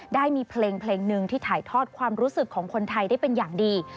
ได้มีเพลงหนึ่งที่ถ่ายทอดความรู้สึกของคนไทยได้เป็นอย่างดี